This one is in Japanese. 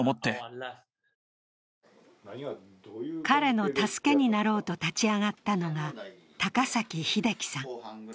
彼の助けになろうと立ち上がったのが高崎英樹さん。